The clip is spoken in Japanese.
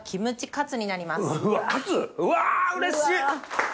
うわうれしい！